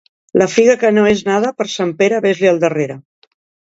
La figa que no és nada per Sant Pere, ves-li al darrere.